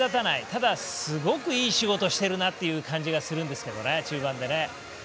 ただ、すごくいい仕事しているなっていう感じがするんですけど、中盤でね。